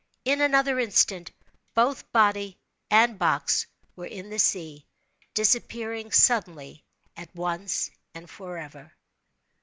In another instant both body and box were in the sea—disappearing suddenly, at once and forever.